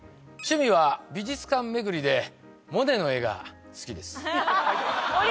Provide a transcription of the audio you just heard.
趣味は美術館巡りでモネの絵が好きです